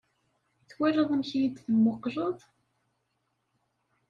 Twalaḍ amek iyi-d-temmuqqleḍ?